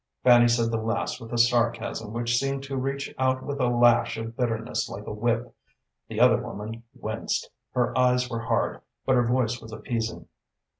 Fanny said the last with a sarcasm which seemed to reach out with a lash of bitterness like a whip. The other woman winced, her eyes were hard, but her voice was appeasing.